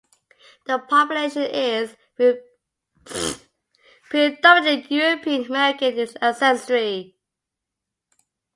The population is predominately European American in ancestry.